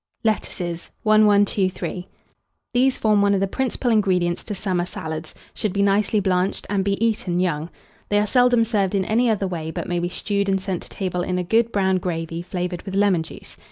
LETTUCES. 1123. These form one of the principal ingredients to summer salads; should be nicely blanched, and be eaten young. They are seldom served in any other way, but may be stewed and sent to table in a good brown gravy flavoured with lemon juice.